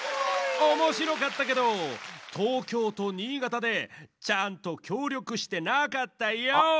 おもしろかったけど東京と新潟でちゃんときょうりょくしてなかったヨー！